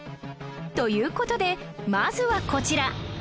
という事でまずはこちら